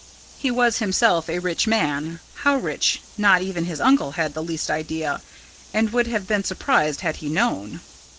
He was himself a rich man, how rich not even his uncle had the least idea, and would have been surprised had he known.